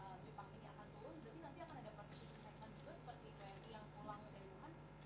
berarti nanti akan ada proses disinfektan juga seperti wni yang pulang dari wuhan